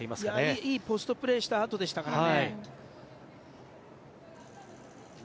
いいポストプレーしたあとでしたからね。